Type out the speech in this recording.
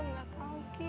rum gak tau ki